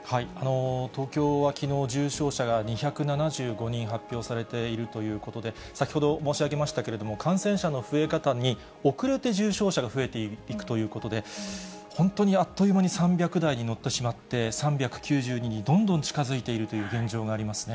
東京はきのう、重症者が２７５人発表されているということで、先ほど申し上げましたけれども、感染者の増え方に遅れて重症者が増えていくということで、本当にあっという間に３００台に乗ってしまって、３９０にどんどん近づいているという現状がありますね。